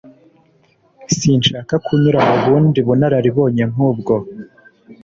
sinshaka kunyura mu bundi bunararibonye nkubwo